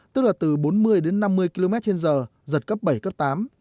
tức là từ bốn mươi đến năm mươi km trên giờ giật cấp bảy cấp tám